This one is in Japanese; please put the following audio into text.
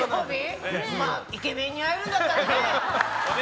まあ、イケメンに会えるんだったら。